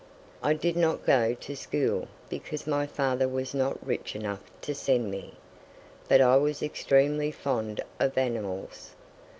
I did not go to school; because my father was not rich enough to send me. But I was extremely fond of animals.